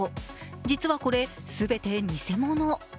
実はこれ、全て偽物。